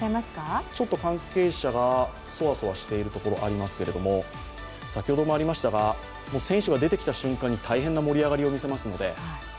関係者がそわそわしているところがありますけれども、選手が出てきた瞬間に大変な盛り上がりを見せますので。